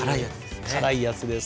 辛いやつですね。